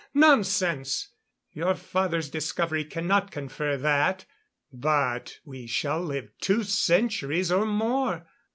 Nonsense! Your father's discovery cannot confer that. But we shall live two centuries or more.